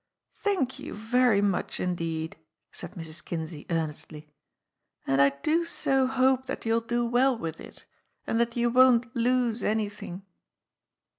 "Thank you very much indeed," said Mrs. Kinsey earn estly. "And I do so hope that you'll do well with it, and that you won't lose anything."